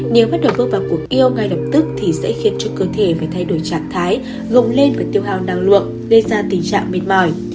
nếu bắt đầu bước vào cuộc io ngay lập tức thì sẽ khiến cho cơ thể phải thay đổi trạng thái gồng lên và tiêu hào năng lượng gây ra tình trạng mệt mỏi